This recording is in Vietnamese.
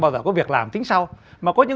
bao giờ có việc làm tính sau mà có những